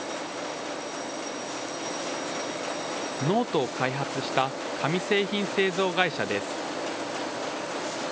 ノートを開発した紙製品製造会社です。